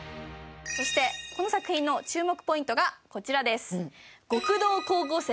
そしてこの作品の注目ポイントがこちらです。